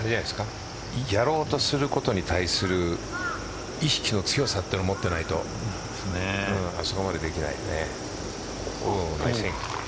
やろうとすることに対する意識の強さというのを持っていないとあそこまでできないね。